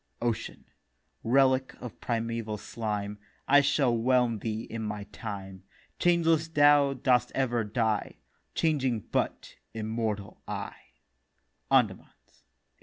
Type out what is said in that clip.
OCEAN: 'Relic of primeval Slime, I shall whelm thee in my time. Changeless thou dost ever die; Changing but immortal I.' Andamans, 1886 7.